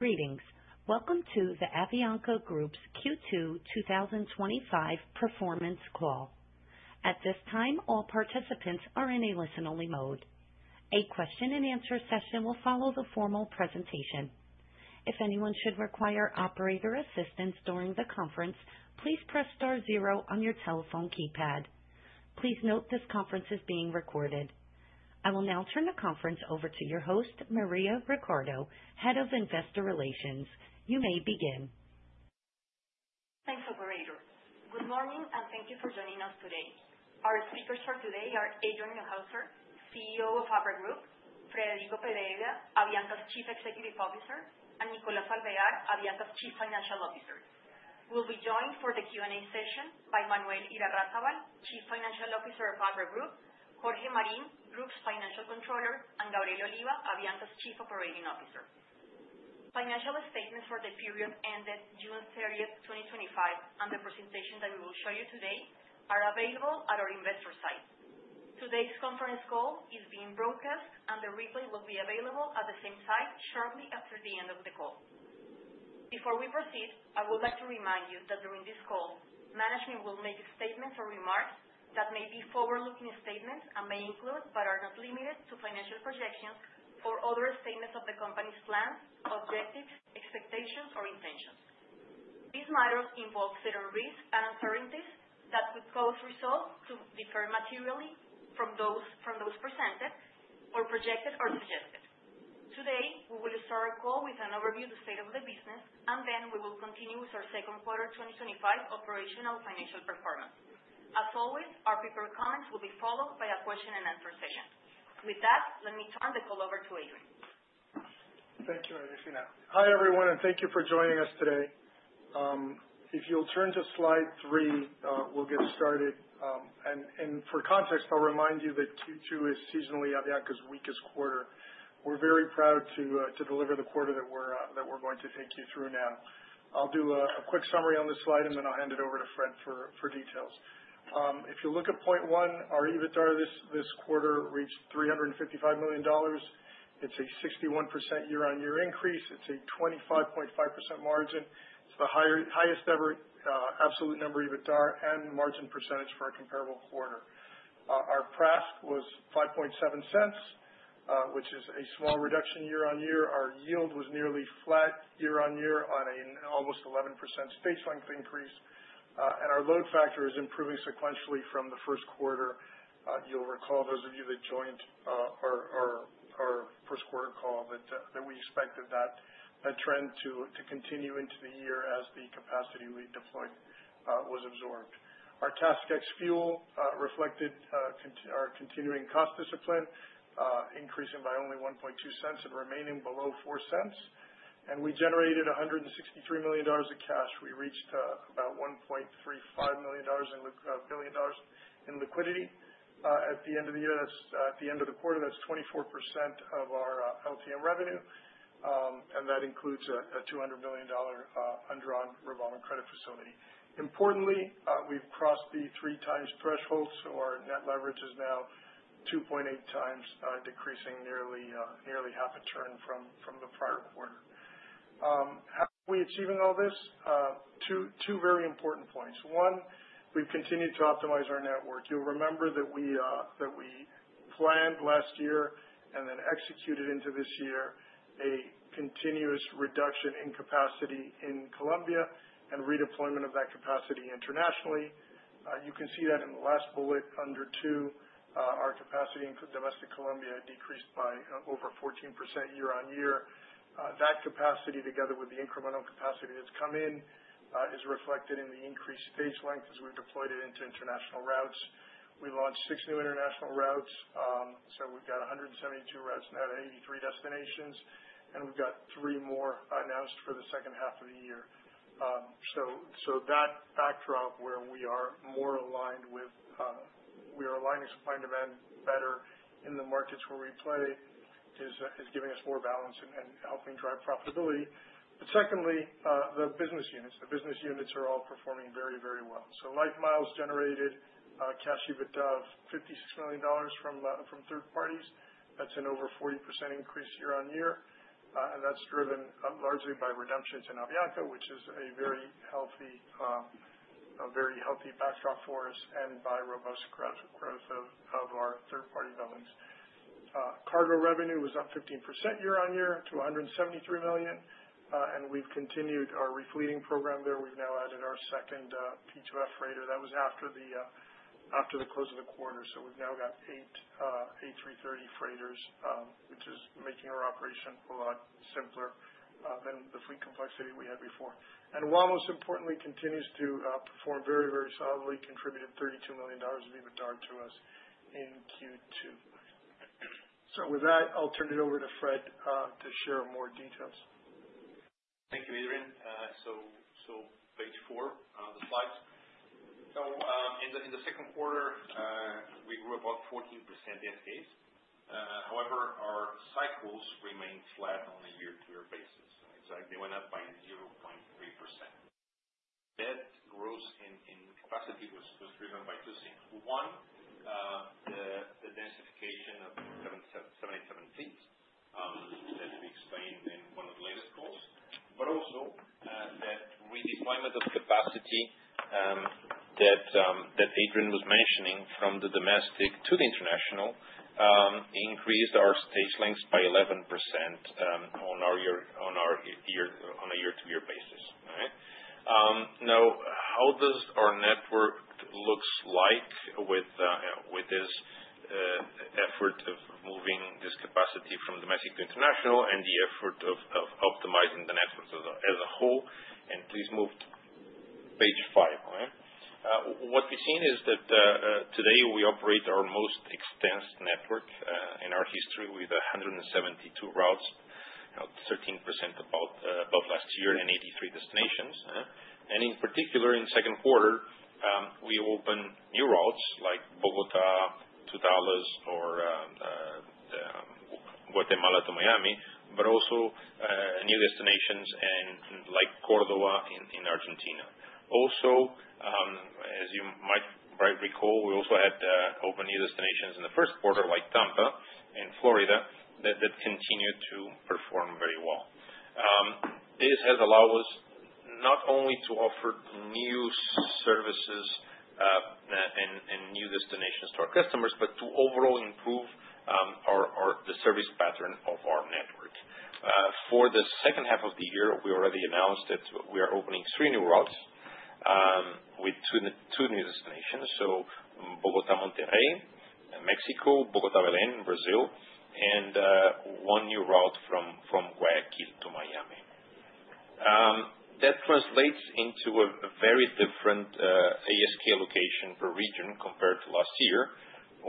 Greetings. Welcome to the Avianca Group's Q2 2025 performance call. At this time, all participants are in a listen-only mode. A question-and-answer session will follow the formal presentation. If anyone should require operator assistance during the conference, please press star zero on your telephone keypad. Please note this conference is being recorded. I will now turn the conference over to your host, Maria Ricardo, Head of Investor Relations. You may begin. Thanks, operator. Good morning, and thank you for joining us today. Our speakers for today are Adrian Neuhauser, CEO of Abra Group, Frederico Pedreira, Avianca's Chief Executive Officer, and Nicolás Alvear, Avianca's Chief Financial Officer. We'll be joined for the Q&A session by Manuel Irarrázaval, Chief Financial Officer of Abra Group, Jorge Marín, Group's Financial Controller, and Gabriel Oliva, Avianca's Chief Operating Officer. Financial statements for the period ended June 30th, 2025, and the presentation that we will show you today are available at our investor site. Today's conference call is being broadcast, and the replay will be available at the same site shortly after the end of the call. Before we proceed, I would like to remind you that during this call, management will make statements or remarks that may be forward-looking statements and may include, but are not limited to, financial projections or other statements of the company's plans, objectives, expectations, or intentions. These matters involve certain risks and uncertainties that could cause results to differ materially from those presented, or projected, or suggested. Today, we will start our call with an overview of the state of the business, and then we will continue with our second quarter 2025 operational financial performance. As always, our paper comments will be followed by a question-and-answer session. With that, let me turn the call over to Adrian. Thank you, Agostino. Hi, everyone, and thank you for joining us today. If you'll turn to slide three, we'll get started, and for context, I'll remind you that Q2 is seasonally Avianca's weakest quarter. We're very proud to deliver the quarter that we're going to take you through now. I'll do a quick summary on the slide, and then I'll hand it over to Fred for details. If you look at point one, our EBITDA this quarter reached $355 million. It's a 61% year-on-year increase. It's a 25.5% margin. It's the highest-ever absolute number EBITDA and margin percentage for a comparable quarter. Our PRASK was 5.7 cents, which is a small reduction year-on-year. Our yield was nearly flat year-on-year on an almost 11% stage length increase, and our load factor is improving sequentially from the first quarter. You'll recall, those of you that joined our first quarter call, that we expected that trend to continue into the year as the capacity we deployed was absorbed. Our CASK ex-fuel reflected our continuing cost discipline, increasing by only 1.2 cents and remaining below 4 cents, and we generated $163 million of cash. We reached about $1.35 million in liquidity at the end of the year. That's at the end of the quarter, that's 24% of our LTM revenue, and that includes a $200 million undrawn revolving credit facility. Importantly, we've crossed the three-times threshold, so our net leverage is now 2.8 times, decreasing nearly half a turn from the prior quarter. How are we achieving all this? Two very important points. One, we've continued to optimize our network. You'll remember that we planned last year and then executed into this year a continuous reduction in capacity in Colombia and redeployment of that capacity internationally. You can see that in the last bullet under two, our capacity in domestic Colombia decreased by over 14% year-over-year. That capacity, together with the incremental capacity that's come in, is reflected in the increased stage length as we've deployed it into international routes. We launched six new international routes, so we've got 172 routes now to 83 destinations, and we've got three more announced for the second half of the year. So that backdrop where we are more aligned with, we are aligning supply and demand better in the markets where we play is giving us more balance and helping drive profitability. But secondly, the business units. The business units are all performing very, very well. So like miles generated, cash EBITDA of $56 million from third parties, that's an over 40% increase year-on-year. And that's driven largely by redemptions in Avianca, which is a very healthy backdrop for us, and by robust growth of our third-party billings. Cargo revenue was up 15% year-on-year to $173 million. And we've continued our refleeting program there. We've now added our second P2F freighter. That was after the close of the quarter. So we've now got eight A330 freighters, which is making our operation a lot simpler than the fleet complexity we had before. And while most, importantly, continues to perform very, very solidly, contributed $32 million of EBITDA to us in Q2. So with that, I'll turn it over to Fred to share more details. Thank you, Adrian. So page four on the slide. So in the second quarter, we grew about 14% year-to-date. However, our capacity remained flat on a year-to-year basis. In fact, it went up by 0.3%. That growth in capacity was driven by two things. One, the densification of 787 fleets, as we explained in one of the latest calls. But also, that redeployment of capacity that Adrian was mentioning from the domestic to the international increased our stage length by 11% on a year-to-year basis. All right? Now, how does our network look like with this effort of moving this capacity from domestic to international and the effort of optimizing the network as a whole? And please move to page five. All right? What we've seen is that today we operate our most extensive network in our history with 172 routes, 13% above last year, and 83 destinations. And in particular, in second quarter, we opened new routes like Bogotá to Dallas or Guatemala to Miami, but also new destinations like Córdoba in Argentina. Also, as you might recall, we also had opened new destinations in the first quarter, like Tampa in Florida, that continued to perform very well. This has allowed us not only to offer new services and new destinations to our customers, but to overall improve the service pattern of our network. For the second half of the year, we already announced that we are opening three new routes with two new destinations, so Bogotá Monterrey, Mexico, Bogotá Belém, Brazil, and one new route from Guayaquil to Miami. That translates into a very different ASK allocation per region compared to last year,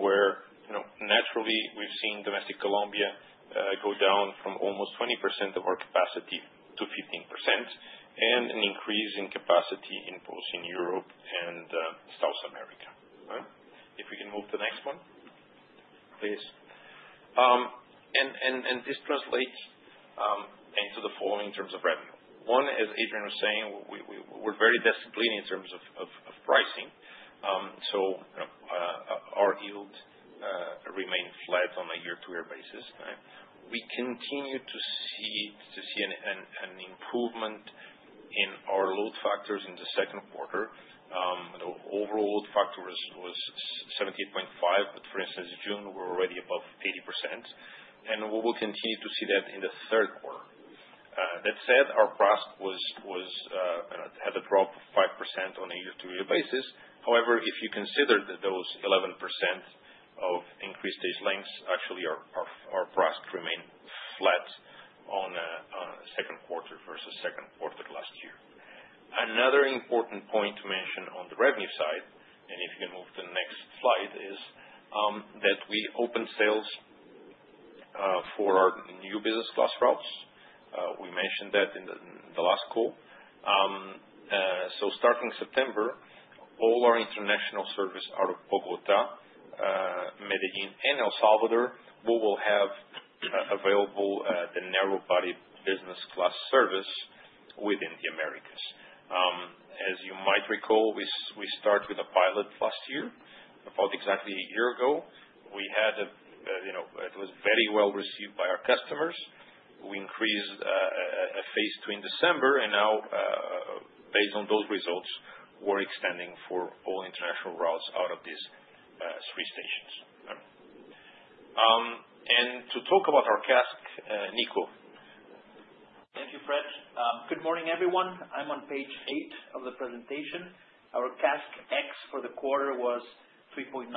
where naturally we've seen domestic Colombia go down from almost 20% of our capacity to 15%, and an increase in capacity in both Europe and South America. All right? If we can move to the next one, please. And this translates into the following in terms of revenue. One, as Adrian was saying, we're very disciplined in terms of pricing. So our yield remained flat on a year-to-year basis. We continue to see an improvement in our load factors in the second quarter. The overall load factor was 78.5, but for instance, in June, we were already above 80%. And we will continue to see that in the third quarter. That said, our PRASK had a drop of 5% on a year-to-year basis. However, if you consider that those 11% of increased stage lengths, actually our PRASK remained flat on second quarter versus second quarter last year. Another important point to mention on the revenue side, and if you can move to the next slide, is that we opened sales for our new Business Class routes. We mentioned that in the last call, so starting September, all our international service out of Bogotá, Medellín, and El Salvador, we will have available the narrow-body Business Class service within the Americas. As you might recall, we started with a pilot last year, about exactly a year ago. We had a, it was very well received by our customers. We increased a phase two in December, and now, based on those results, we're extending for all international routes out of these three stations, and to talk about our CASK, Nico. Thank you, Fred. Good morning, everyone. I'm on page eight of the presentation. Our CASK ex for the quarter was $0.039,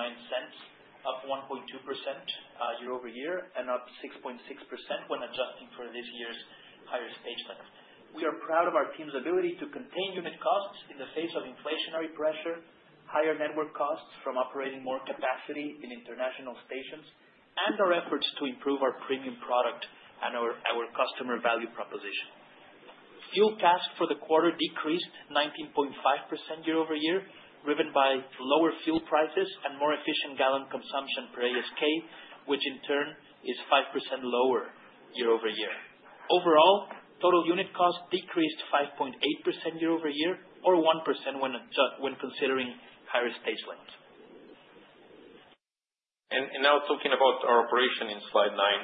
up 1.2% year-over-year, and up 6.6% when adjusting for this year's higher stage length. We are proud of our team's ability to contain unit costs in the face of inflationary pressure, higher network costs from operating more capacity in international stations, and our efforts to improve our premium product and our customer value proposition. Fuel CASK for the quarter decreased 19.5% year-over-year, driven by lower fuel prices and more efficient gallon consumption per ASK, which in turn is 5% lower year-over-year. Overall, total unit cost decreased 5.8% year-over-year, or 1% when considering higher stage length. Now talking about our operation in slide nine,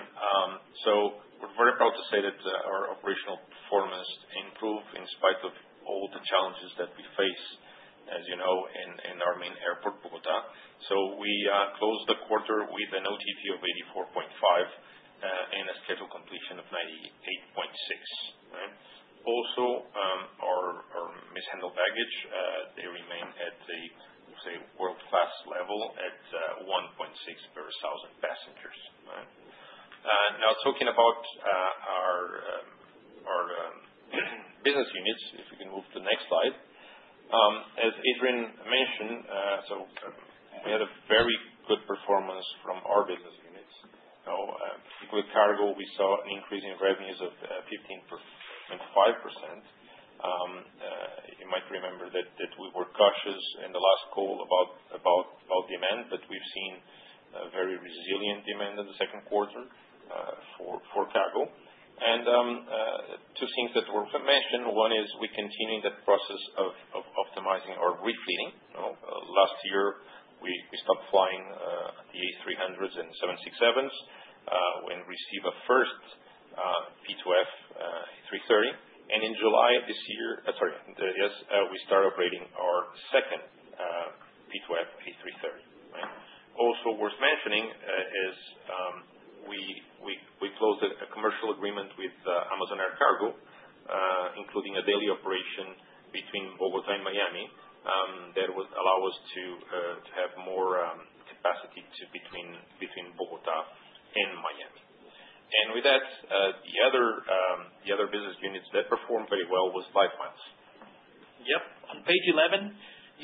so we're very proud to say that our operational performance improved in spite of all the challenges that we face, as you know, in our main airport, Bogotá. So we closed the quarter with an OTP of 84.5% and a scheduled completion of 98.6%. All right? Also, our mishandled baggage, they remain at a world-class level at 1.6 per 1,000 passengers. All right? Now, talking about our business units, if we can move to the next slide. As Adrian mentioned, so we had a very good performance from our business units. So particularly cargo, we saw an increase in revenues of 15.5%. You might remember that we were cautious in the last call about demand, but we've seen very resilient demand in the second quarter for cargo. Two things that were mentioned, one is we continue in the process of optimizing our refleeting. Last year, we stopped flying the A300s and 767s when we received our first P2F A330. And in July of this year, sorry, yes, we started operating our second P2F A330. Also worth mentioning is we closed a commercial agreement with Amazon Air Cargo, including a daily operation between Bogotá and Miami that would allow us to have more capacity between Bogotá and Miami. And with that, the other business units that performed very well was LifeMiles. Yep. On page 11,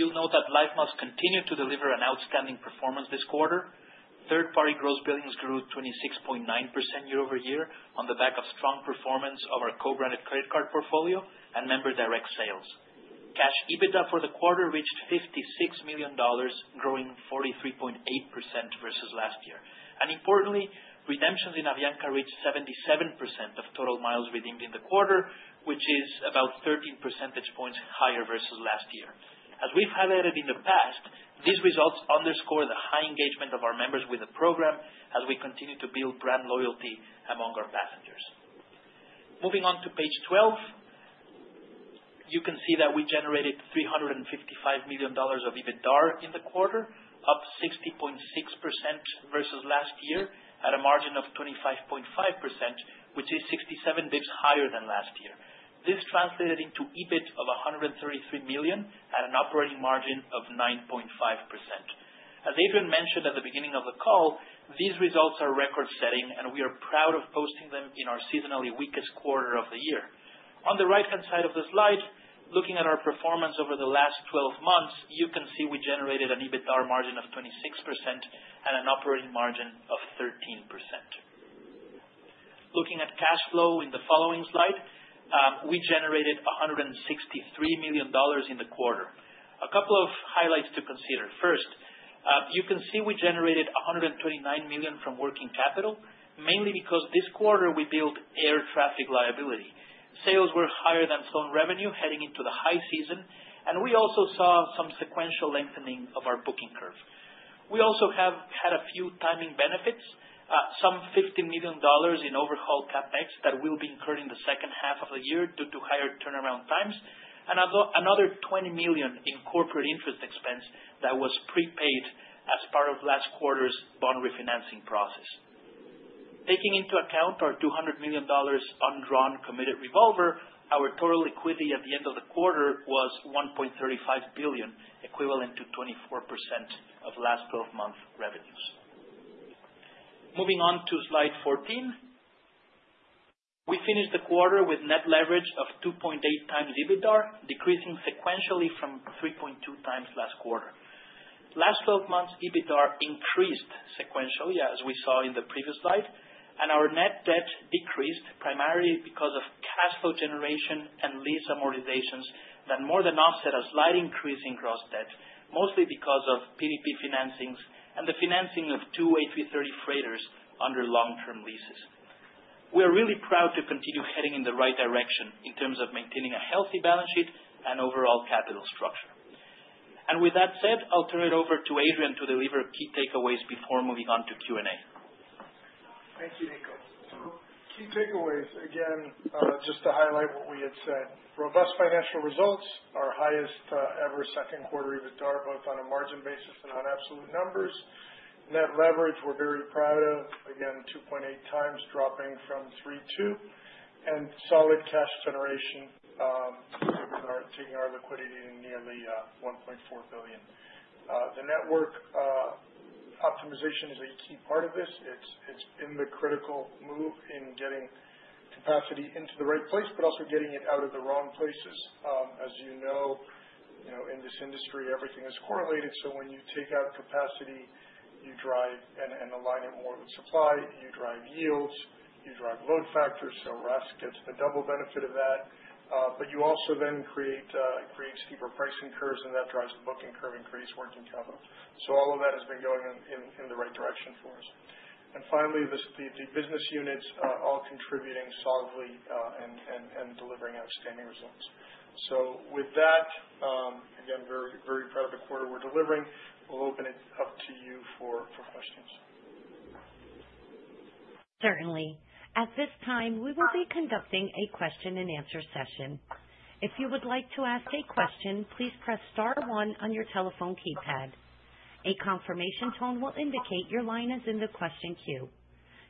you'll note that LifeMiles continued to deliver an outstanding performance this quarter. Third-party gross billings grew 26.9% year-over-year on the back of strong performance of our co-branded credit card portfolio and member direct sales. Cash EBITDA for the quarter reached $56 million, growing 43.8% versus last year, and importantly, redemptions in Avianca reached 77% of total miles redeemed in the quarter, which is about 13 percentage points higher versus last year. As we've highlighted in the past, these results underscore the high engagement of our members with the program as we continue to build brand loyalty among our passengers. Moving on to page 12, you can see that we generated $355 million of EBITDA in the quarter, up 60.6% versus last year at a margin of 25.5%, which is 67 basis points higher than last year. This translated into EBIT of $133 million at an operating margin of 9.5%. As Adrian mentioned at the beginning of the call, these results are record-setting, and we are proud of posting them in our seasonally weakest quarter of the year. On the right-hand side of the slide, looking at our performance over the last 12 months, you can see we generated an EBITDA margin of 26% and an operating margin of 13%. Looking at cash flow in the following slide, we generated $163 million in the quarter. A couple of highlights to consider. First, you can see we generated $129 million from working capital, mainly because this quarter we built air traffic liability. Sales were higher than flown revenue heading into the high season, and we also saw some sequential lengthening of our booking curve. We also have had a few timing benefits, some $15 million in overhaul CapEx that we'll be incurring the second half of the year due to higher turnaround times, and another $20 million in corporate interest expense that was prepaid as part of last quarter's bond refinancing process. Taking into account our $200 million undrawn committed revolver, our total liquidity at the end of the quarter was $1.35 billion, equivalent to 24% of last 12-month revenues. Moving on to slide 14, we finished the quarter with net leverage of 2.8 times EBITDA, decreasing sequentially from 3.2 times last quarter. Last 12 months, EBITDA increased sequentially, as we saw in the previous slide, and our net debt decreased primarily because of cash flow generation and lease amortizations that more than offset a slight increase in gross debt, mostly because of PDP financings and the financing of two A330 freighters under long-term leases. We are really proud to continue heading in the right direction in terms of maintaining a healthy balance sheet and overall capital structure. And with that said, I'll turn it over to Adrian to deliver key takeaways before moving on to Q&A. Thank you, Nico. Key takeaways, again, just to highlight what we had said. Robust financial results, our highest-ever second quarter EBITDA, both on a margin basis and on absolute numbers. Net leverage, we're very proud of, again, 2.8 times dropping from 3.2, and solid cash generation taking our liquidity to nearly $1.4 billion. The network optimization is a key part of this. It's been the critical move in getting capacity into the right place, but also getting it out of the wrong places. As you know, in this industry, everything is correlated. So when you take out capacity, you drive and align it more with supply, you drive yields, you drive load factors, so RASK gets the double benefit of that. But you also then create steeper pricing curves, and that drives the booking curve and creates working capital. So all of that has been going in the right direction for us. And finally, the business units are all contributing solidly and delivering outstanding results. So with that, again, very proud of the quarter we're delivering. We'll open it up to you for questions. Certainly. At this time, we will be conducting a question-and-answer session. If you would like to ask a question, please press star one on your telephone keypad. A confirmation tone will indicate your line is in the question queue.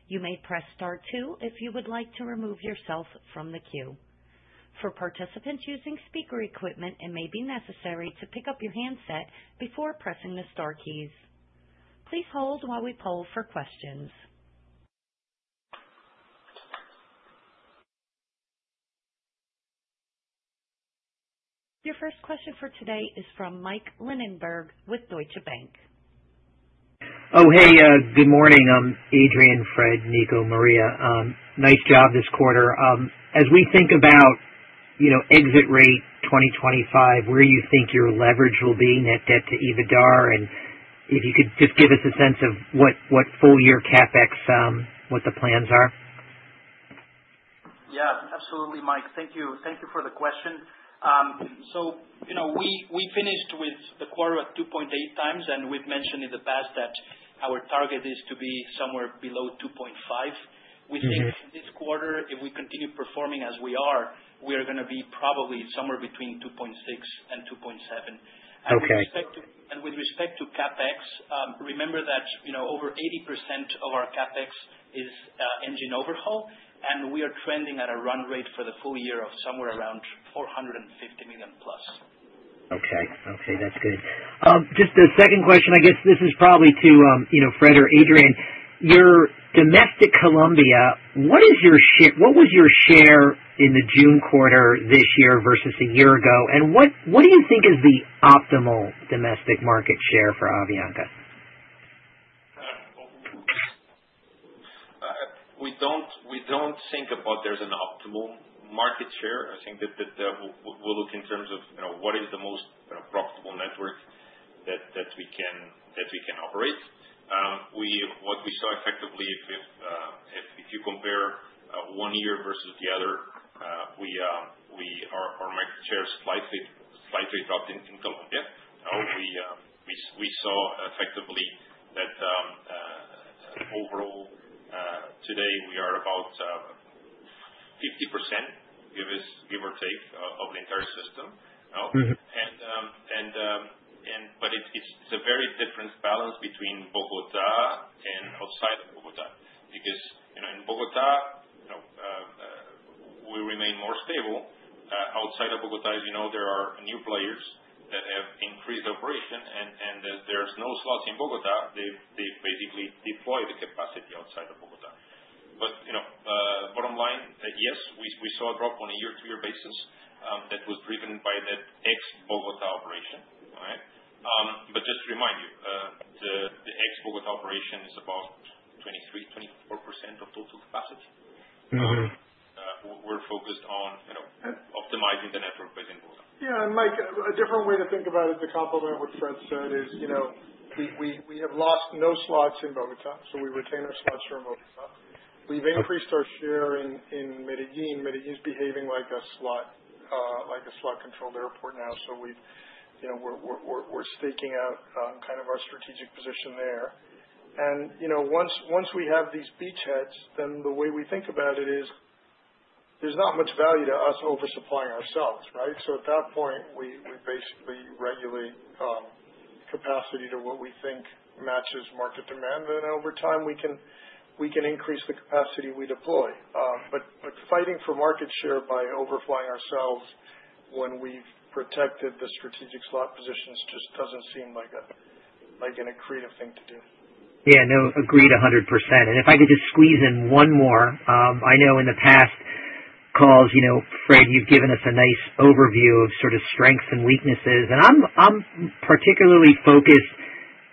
You may press star two if you would like to remove yourself from the queue. For participants using speaker equipment, it may be necessary to pick up your handset before pressing the Star keys. Please hold while we poll for questions. Your first question for today is from Mike Linenberg with Deutsche Bank. Oh, hey, good morning. I'm Adrian, Fred, Nico, Maria. Nice job this quarter. As we think about exit rate 2025, where you think your leverage will be net debt to EBITDA, and if you could just give us a sense of what full-year CapEx, what the plans are. Yeah, absolutely, Mike. Thank you for the question. So we finished with the quarter at 2.8 times, and we've mentioned in the past that our target is to be somewhere below 2.5. We think this quarter, if we continue performing as we are, we are going to be probably somewhere between 2.6 and 2.7. And with respect to CapEx, remember that over 80% of our CapEx is engine overhaul, and we are trending at a run rate for the full year of somewhere around $450 million plus. Okay. Okay, that's good. Just a second question, I guess this is probably to Fred or Adrian. Your domestic Colombia, what was your share in the June quarter this year versus a year ago, and what do you think is the optimal domestic market share for Avianca? We don't think there's an optimal market share. I think that we'll look in terms of what is the most profitable network that we can operate. What we saw effectively, if you compare one year versus the other, our market share slightly dropped in Colombia. We saw effectively that overall today, we are about 50%, give or take, of the entire system. And but it's a very different balance between Bogotá and outside of Bogotá because in Bogotá, we remain more stable. Outside of Bogotá, as you know, there are new players that have increased operation, and there's no slots in Bogotá. They've basically deployed the capacity outside of Bogotá. But bottom line, yes, we saw a drop on a year-to-year basis that was driven by that ex-Bogotá operation. All right? But just to remind you, the ex-Bogotá operation is about 23-24% of total capacity. We're focused on optimizing the network based in Bogotá. Yeah, and Mike, a different way to think about it to complement what Fred said is we have lost no slots in Bogotá, so we retain our slots from Bogotá. We've increased our share in Medellín. Medellín's behaving like a slot-controlled airport now, so we're staking out kind of our strategic position there. And once we have these beachheads, then the way we think about it is there's not much value to us oversupplying ourselves, right? So at that point, we basically regulate capacity to what we think matches market demand, and then over time, we can increase the capacity we deploy. But fighting for market share by overflying ourselves when we've protected the strategic slot positions just doesn't seem like an accretive thing to do. Yeah, no, agreed 100%. And if I could just squeeze in one more, I know in the past calls, Fred, you've given us a nice overview of sort of strengths and weaknesses. And I'm particularly focused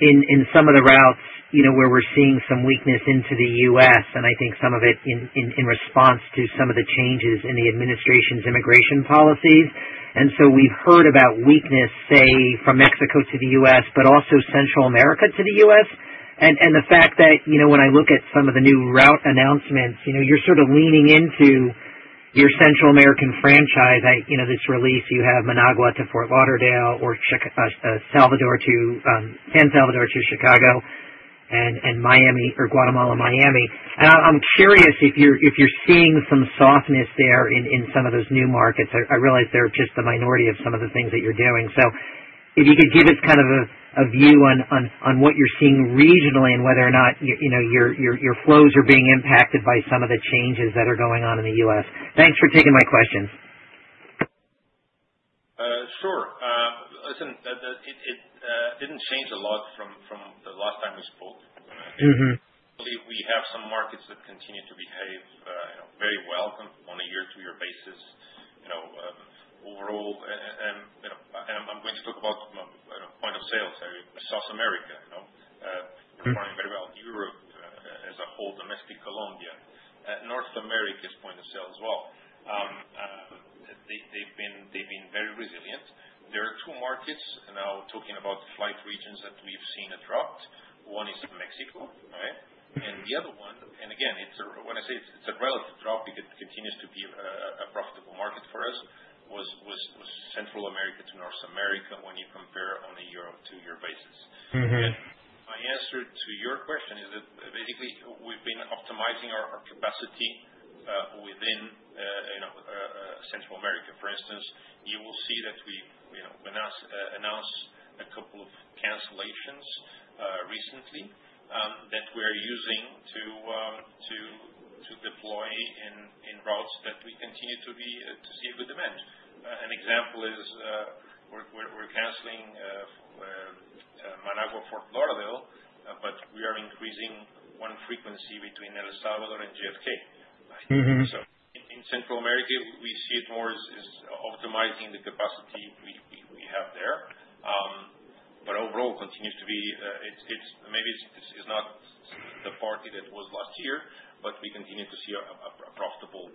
in some of the routes where we're seeing some weakness into the U.S., and I think some of it in response to some of the changes in the administration's immigration policies. And so we've heard about weakness, say, from Mexico to the U.S., but also Central America to the U.S. And the fact that when I look at some of the new route announcements, you're sort of leaning into your Central American franchise. This release, you have Managua to Fort Lauderdale or San Salvador to Chicago and Guatemala, Miami. And I'm curious if you're seeing some softness there in some of those new markets. I realize they're just the minority of some of the things that you're doing. So if you could give us kind of a view on what you're seeing regionally and whether or not your flows are being impacted by some of the changes that are going on in the U.S.? Thanks for taking my questions. Sure. Listen, it didn't change a lot from the last time we spoke. We have some markets that continue to behave very well on a year-to-year basis overall, and I'm going to talk about point of sale, South America, performing very well. Europe as a whole, domestic Colombia, North America's point of sale as well. They've been very resilient. There are two markets now talking about flight regions that we've seen a drop. One is Mexico, right, and the other one, and again, when I say it's a relative drop, it continues to be a profitable market for us, was Central America to North America when you compare on a year-to-year basis, and my answer to your question is that basically we've been optimizing our capacity within Central America. For instance, you will see that we announced a couple of cancellations recently that we're using to deploy in routes that we continue to see a good demand. An example is, we're canceling Managua, Fort Lauderdale, but we are increasing one frequency between El Salvador and JFK, so in Central America, we see it more as optimizing the capacity we have there, but overall, it continues to be maybe it's not the party that was last year, but we continue to see a profitable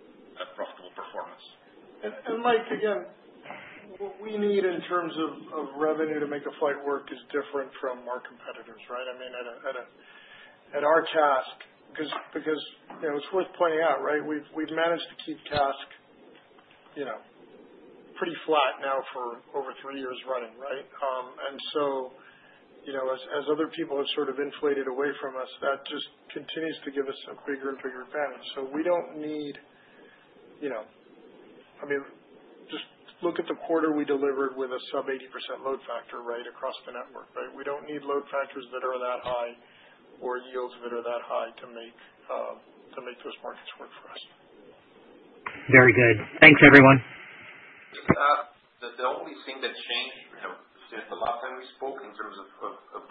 performance. And Mike, again, what we need in terms of revenue to make a flight work is different from our competitors, right? I mean, at our CASK, because it's worth pointing out, right? We've managed to keep CASK pretty flat now for over three years running, right? And so as other people have sort of inflated away from us, that just continues to give us a bigger and bigger advantage. So we don't need I mean, just look at the quarter we delivered with a sub-80% load factor, right, across the network, right? We don't need load factors that are that high or yields that are that high to make those markets work for us. Very good. Thanks, everyone. The only thing that changed since the last time we spoke in terms of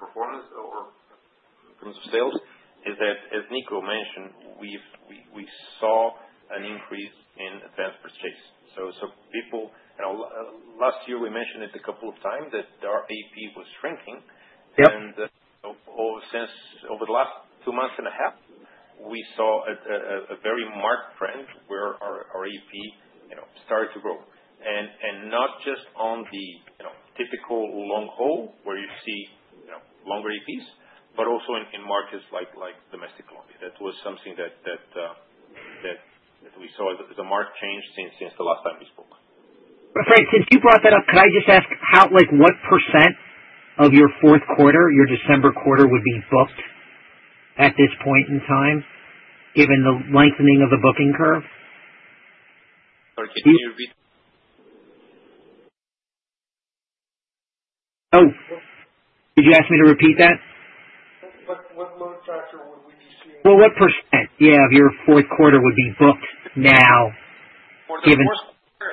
performance or in terms of sales is that, as Nico mentioned, we saw an increase in advance purchase, so people, last year, we mentioned it a couple of times that our AP was shrinking, and over the last two months and a half, we saw a very marked trend where our AP started to grow, and not just on the typical long haul where you see longer APs, but also in markets like domestic Colombia. That was something that we saw, the marked change since the last time we spoke. Fred, since you brought that up, could I just ask what percent of your fourth quarter, your December quarter, would be booked at this point in time given the lengthening of the booking curve? Sorry, can you repeat? Oh, did you ask me to repeat that? What load factor would we be seeing? What percent, yeah, of your fourth quarter would be booked now given? For the fourth quarter,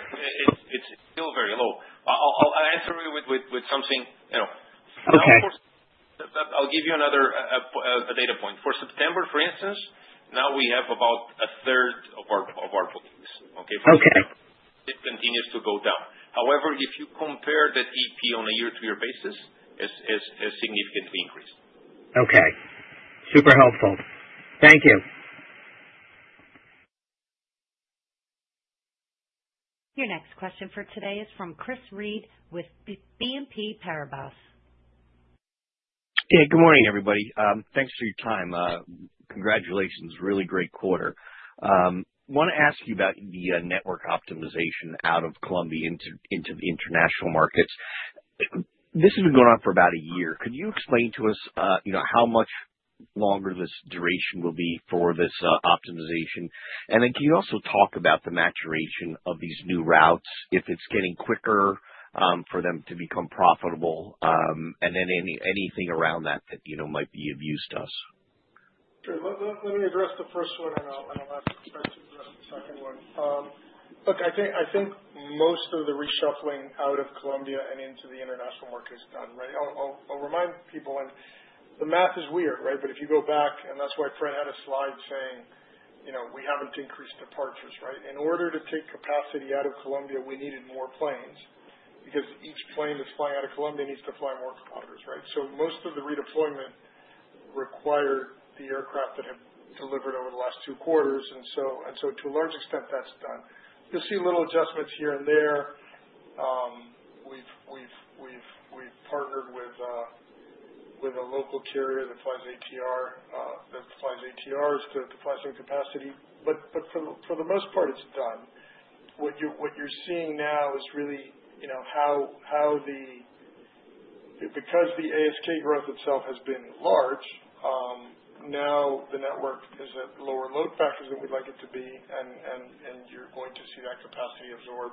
it's still very low. I'll answer you with something. I'll give you another data point. For September, for instance, now we have about a third of our bookings. Okay? Okay. It continues to go down. However, if you compare that AP on a year-to-year basis, it's significantly increased. Okay. Super helpful. Thank you. Your next question for today is from Chris Read with BNP Paribas. Hey, good morning, everybody. Thanks for your time. Congratulations. Really great quarter. I want to ask you about the network optimization out of Colombia into the international markets. This has been going on for about a year. Could you explain to us how much longer this duration will be for this optimization? And then can you also talk about the maturation of these new routes, if it's getting quicker for them to become profitable, and then anything around that that might be of use to us? Sure. Let me address the first one, and I'll ask to address the second one. Look, I think most of the reshuffling out of Colombia and into the international market is done, right? I'll remind people, and the math is weird, right? But if you go back, and that's why Fred had a slide saying, "We haven't increased departures," right? In order to take capacity out of Colombia, we needed more planes because each plane that's flying out of Colombia needs to fly more kilometers, right? So most of the redeployment required the aircraft that have delivered over the last two quarters. And so to a large extent, that's done. You'll see little adjustments here and there. We've partnered with a local carrier that flies ATRs to flex in capacity. But for the most part, it's done. What you're seeing now is really how the because the ASK growth itself has been large, now the network is at lower load factors than we'd like it to be, and you're going to see that capacity absorb.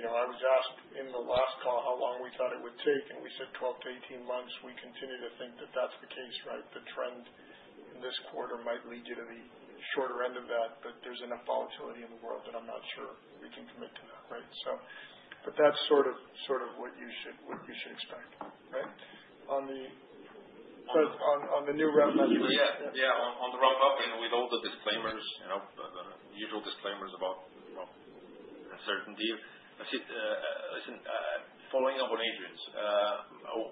I was asked in the last call how long we thought it would take, and we said 12-18 months. We continue to think that that's the case, right? The trend in this quarter might lead you to the shorter end of that, but there's enough volatility in the world that I'm not sure we can commit to that, right? But that's sort of what you should expect, right? On the new route maturation. Yeah. Yeah. On the wrap-up, and with all the disclaimers, the usual disclaimers about uncertainty. Listen, following up on Adrian's,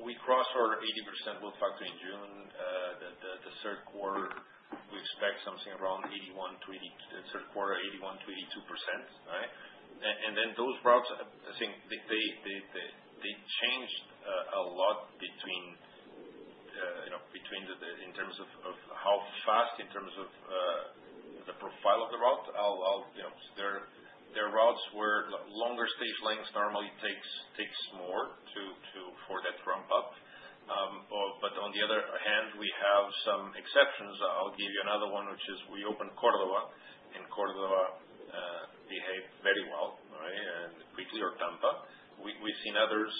we crossed our 80% load factor in June. The third quarter, we expect something around 81%-82%, right? And then those routes, I think they changed a lot between in terms of how fast, in terms of the profile of the route. Their routes were longer stage lengths normally takes more for that ramp-up. But on the other hand, we have some exceptions. I'll give you another one, which is we opened Córdoba, and Córdoba behaved very well, right? And quickly or Tampa. We've seen others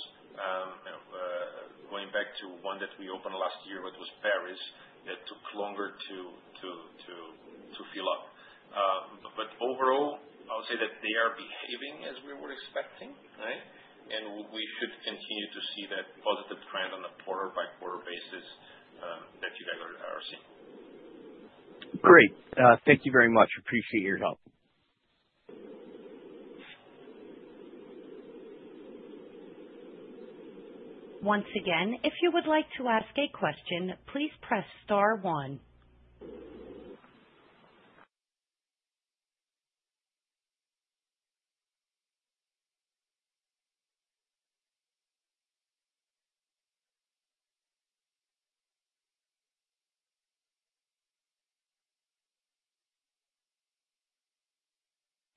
going back to one that we opened last year, which was Paris, that took longer to fill up. But overall, I would say that they are behaving as we were expecting, right? We should continue to see that positive trend on a quarter-by-quarter basis that you guys are seeing. Great. Thank you very much. Appreciate your help. Once again, if you would like to ask a question, please press star one.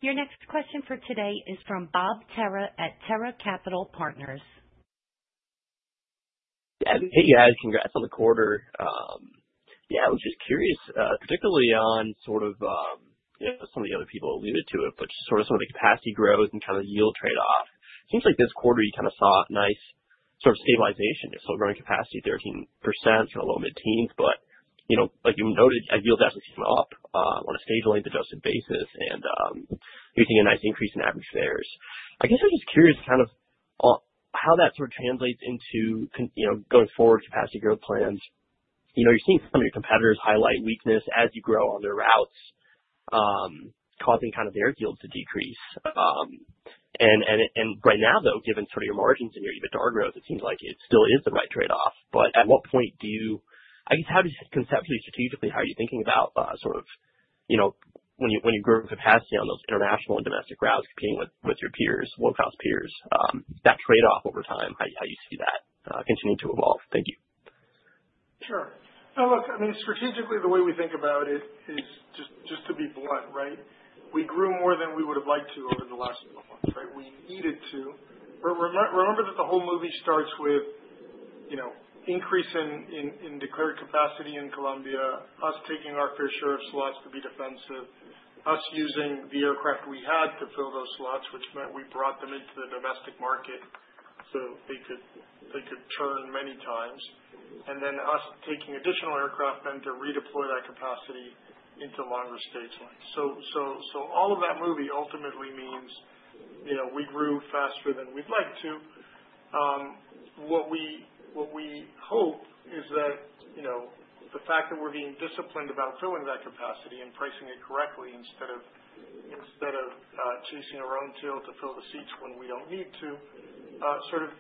Your next question for today is from Bob Terra at Terra Capital Partners. Hey, guys. Congrats on the quarter. Yeah, I was just curious, particularly on sort of some of the other people alluded to it, but just sort of some of the capacity growth and kind of yield trade-off. Seems like this quarter you kind of saw a nice sort of stabilization. You're still growing capacity 13%, sort of low to mid-teens, but like you noted, yields actually came up on a stage-length adjusted basis and you're seeing a nice increase in average fares. I guess I'm just curious kind of how that sort of translates into going forward capacity growth plans. You're seeing some of your competitors highlight weakness as you grow on their routes, causing kind of their yields to decrease. And right now, though, given sort of your margins and your even target growth, it seems like it still is the right trade-off. But at what point do you, I guess, conceptually, strategically, how are you thinking about sort of when you grow capacity on those international and domestic routes competing with your peers, low-cost peers, that trade-off over time, how you see that continuing to evolve? Thank you. Sure. No, look, I mean, strategically, the way we think about it is just to be blunt, right? We grew more than we would have liked to over the last couple of months, right? We needed to. But remember that the whole movie starts with increase in declared capacity in Colombia, us taking our fair share of slots to be defensive, us using the aircraft we had to fill those slots, which meant we brought them into the domestic market so they could churn many times, and then us taking additional aircraft then to redeploy that capacity into longer stage lengths. So all of that movie ultimately means we grew faster than we'd like to. What we hope is that the fact that we're being disciplined about filling that capacity and pricing it correctly instead of chasing our own tail to fill the seats when we don't need to sort of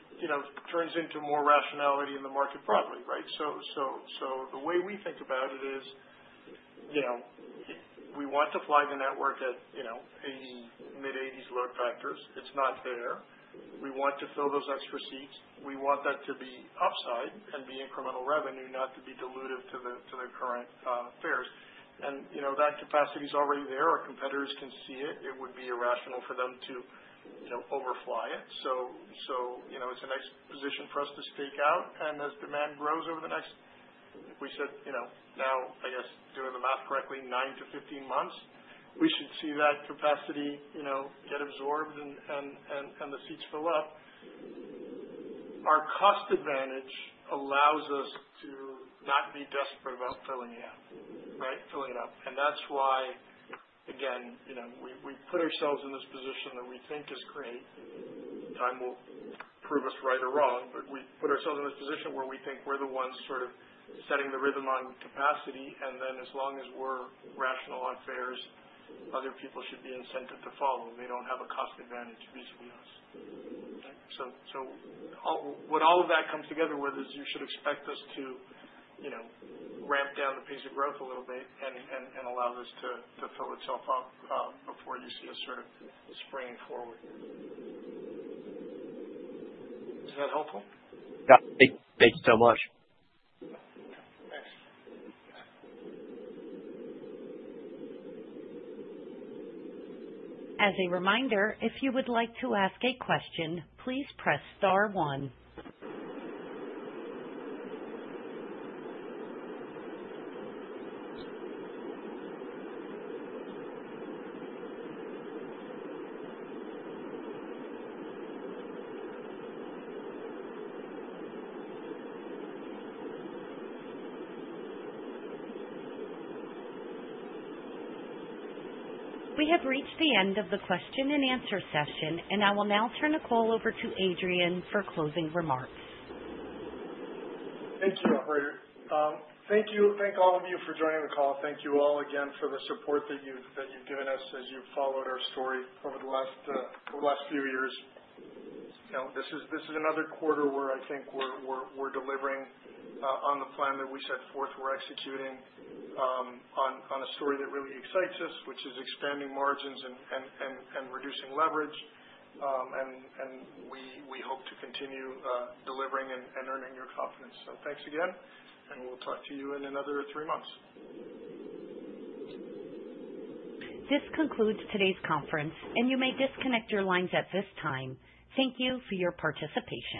turns into more rationality in the market broadly, right? So the way we think about it is we want to fly the network at mid-80s load factors. It's not there. We want to fill those extra seats. We want that to be upside and be incremental revenue, not to be dilutive to the current fares. And that capacity is already there. Our competitors can see it. It would be irrational for them to overfly it. So it's a nice position for us to stake out. As demand grows over the next, like we said, now, I guess, doing the math correctly, nine to 15 months, we should see that capacity get absorbed and the seats fill up. Our cost advantage allows us to not be desperate about filling it up, right? That's why, again, we put ourselves in this position that we think is great. Time will prove us right or wrong, but we put ourselves in this position where we think we're the ones sort of setting the rhythm on capacity. Then as long as we're rational on fares, other people should be incented to follow. They don't have a cost advantage vis-à-vis us. So what all of that comes together with is you should expect us to ramp down the pace of growth a little bit and allow this to fill itself up before you see us sort of springing forward. Is that helpful? Yeah. Thank you so much. Thanks. As a reminder, if you would like to ask a question, please press star one. We have reached the end of the question and answer session, and I will now turn the call over to Adrian for closing remarks. Thank you, Albert. Thank you. Thank all of you for joining the call. Thank you all again for the support that you've given us as you've followed our story over the last few years. This is another quarter where I think we're delivering on the plan that we set forth. We're executing on a story that really excites us, which is expanding margins and reducing leverage, and we hope to continue delivering and earning your confidence, so thanks again, and we'll talk to you in another three months. This concludes today's conference, and you may disconnect your lines at this time. Thank you for your participation.